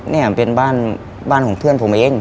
เนี่ยเป็นบ้านของเพื่อนผมเอง